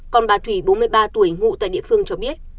còn bà thủy bốn mươi ba tuổi ngụ tại địa phương cho biết